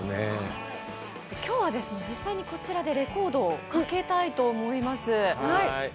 今日は実際にこちらでレコードをかけたいと思います。